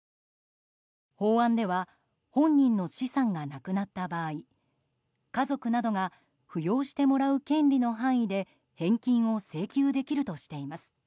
法案では本人の資産がなくなった場合家族などが扶養してもらう権利の範囲で返金を請求できるとしています。